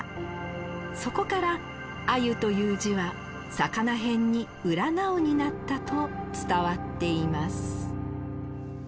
そこから鮎という字は魚編に「占う」になったと伝わっています。